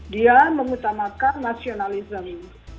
dia mengutamakan nasionalisme